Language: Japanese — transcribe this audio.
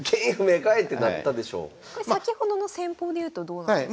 これ先ほどの戦法でいうとどうなんですか？